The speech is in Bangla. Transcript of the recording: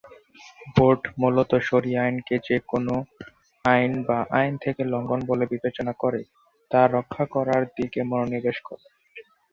বোর্ড মূলত শরীয়াহ আইনকে যে কোনও আইন বা আইন থেকে লঙ্ঘন বলে বিবেচনা করে তা রক্ষা করার দিকে মনোনিবেশ করে।